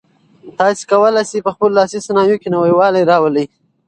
تاسي کولای شئ په خپلو لاسي صنایعو کې نوي والی راولئ.